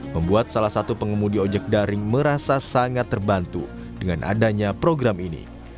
membuat salah satu pengemudi ojek daring merasa sangat terbantu dengan adanya program ini